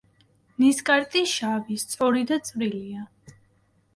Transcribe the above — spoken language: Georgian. ნისკარტი შავი, სწორი და წვრილია.